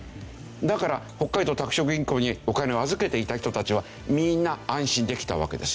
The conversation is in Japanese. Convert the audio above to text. だから北海道拓殖銀行にお金を預けていた人たちはみんな安心できたわけですよ。